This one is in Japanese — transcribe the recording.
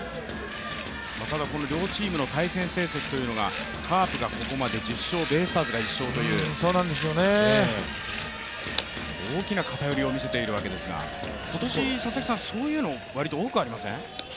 両チームの対戦成績というのがカープがここまで１０勝ベイスターズが１勝という大きな偏りを見せているわけですが、今年、そういうの割と多くありません？